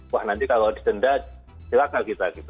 wah nanti kalau denda silahkan kita gitu